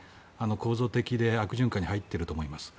構造的で悪循環に入っていると思います。